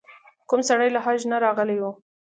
کوم سړی له حج نه راغلی و.